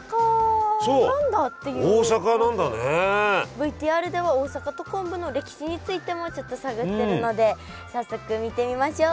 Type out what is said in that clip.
ＶＴＲでは大阪と昆布の歴史についてもちょっと探ってるので早速見てみましょう。